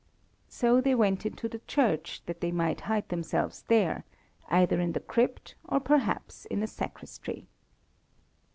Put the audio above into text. So they went into the church that they might hide themselves there, either in the crypt or perhaps in a sacristy.